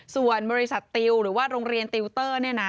ส่วนบริษัทติวหรือว่าโรงเรียนติวเตอร์